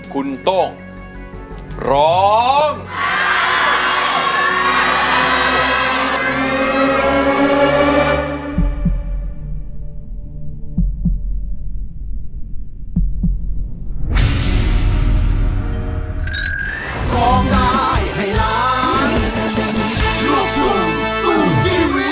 คุณโต้งร้อง